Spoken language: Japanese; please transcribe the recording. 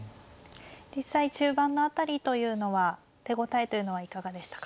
実際中盤の辺りというのは手応えというのはいかがでしたか。